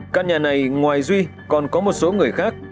căn nhà này ngoài duy còn có một số người khác